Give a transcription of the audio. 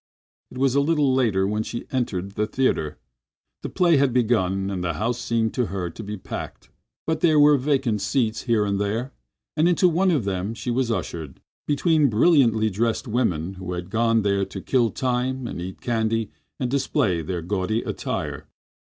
It was a little later when she entered the theatre, the play had begun and the house seemed to her to be packed. But there were vacant seats here and there, and into one of them she was ushered, between brilliantly dressed women who had gone there to kill time and eat candy and display their gaudy attire.